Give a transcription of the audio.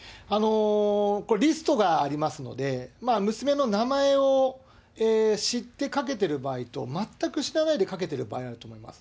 これ、リストがありますので、娘の名前を知ってかけてる場合と、全く知らないでかけてる場合があると思います。